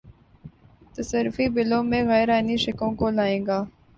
تصرفی بِلوں میں غیرآئینی شقوں کو لائے گا